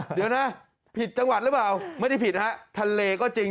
เดี๋ยวนะผิดจังหวัดหรือเปล่าไม่ได้ผิดนะฮะทะเลก็จริง